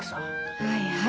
はいはい。